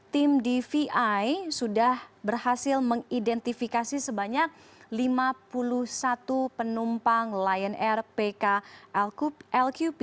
tim dvi sudah berhasil mengidentifikasi sebanyak lima puluh satu penumpang lion air pklqp